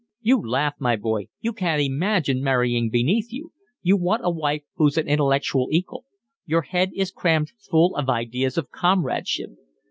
"You laugh, my boy, you can't imagine marrying beneath you. You want a wife who's an intellectual equal. Your head is crammed full of ideas of comradeship.